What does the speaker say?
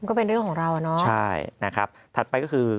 ก็เป็นเรื่องของเราอ่ะเนอะใช่นะครับถัดไปก็คือ